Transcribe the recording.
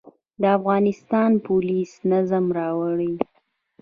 د افغانستان پولیس نظم راولي